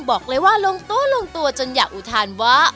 บอกเลยว่าลงโต๊ะลงตัวจนอยากอุทานว่า